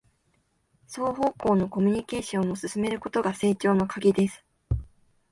双方向のコミュニケーションを進めることが成長のカギです